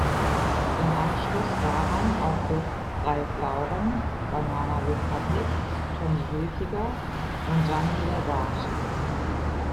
Im Anschluss daran auch für Ralph Lauren, Banana Republic, Tommy Hilfiger und Gianni Versace.